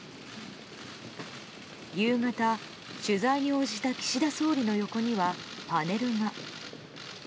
夕方、取材に応じた岸田総理の横にはパネルが。